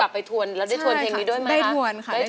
เป็นคนเก็บอารกฐ์